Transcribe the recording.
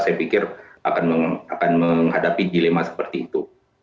saya pikir akan menghadapi dilema seperti itu